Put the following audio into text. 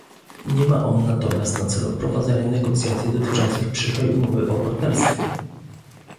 Nie ma on natomiast na celu prowadzenia negocjacji dotyczących przyszłej umowy o partnerstwie